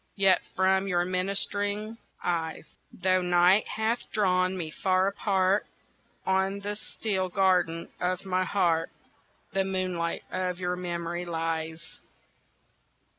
Yet from your ministering eyes Though night hath drawn me far apart On the still garden of my heart The moonlight of your memory lies.